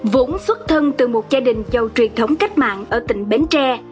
vốn xuất thân từ một gia đình châu truyền thống cách mạng ở tỉnh bến tre